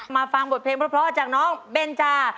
ฟังบทเพลงเพราะจากน้องเบนจา